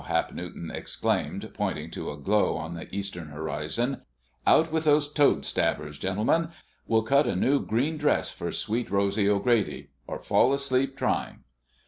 Hap Newton exclaimed, pointing to a glow on the eastern horizon. "Out with those toadstabbers, gentlemen! We'll cut out a new green dress for Sweet Rosy O'Grady—or fall asleep trying!"